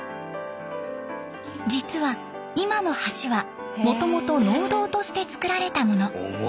実は今の橋はもともと農道として造られたもの。